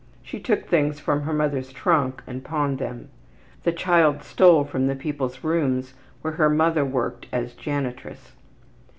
She took things from her mother's trunk and pawned them. The child stole from the people's rooms where her mother worked as janitress.